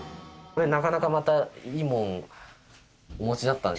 これなかなかまた。